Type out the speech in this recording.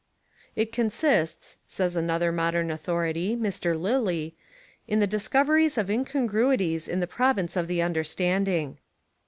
"It consists," says an other modern authority, Mr, Lilly, "in the dis coveries of incongruities in the province of the understanding."